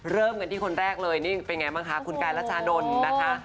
เริ่มกันที่คนแรกเลยนี่เป็นไงบ้างคะคุณกายรัชานนท์นะคะ